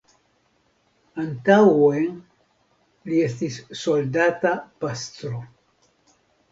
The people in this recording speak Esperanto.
Antaŭe li estis soldata pastro.